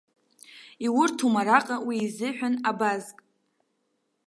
Иурҭом араҟа уи изыҳәан абазк!